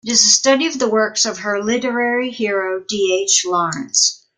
It is a study of the works of her literary hero D. H. Lawrence.